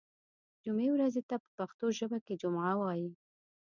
جمعې ورځې ته په پښتو ژبه کې جمعه وایی